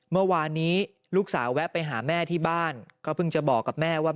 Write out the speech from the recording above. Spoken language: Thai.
เมื่อวานนี้ลูกสาวแวะไปหาแม่ที่บ้านก็เพิ่งจะบอกกับแม่ว่า